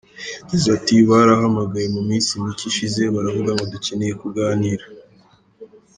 Yagize ati "Barahamagaye mu minsi mike ishize baravuga ngo dukeneye kuganira.